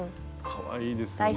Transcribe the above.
かわいいですよね。